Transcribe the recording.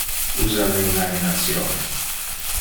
Usa le imagination.